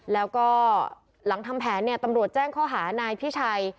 และหลังทำแผนตำรวจแจ้งเข้าหานายพี่ชัย